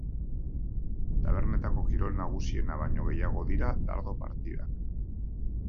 Tabernetako kirol nagusiena baino gehiago dira dardo partidak.